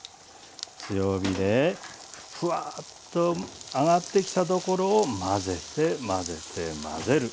強火でフワーッと上がってきたところを混ぜて混ぜて混ぜる。